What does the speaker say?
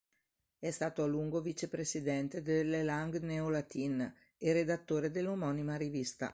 È stato a lungo vicepresidente de "Les Langues Néo-Latines" e redattore dell'omonima rivista.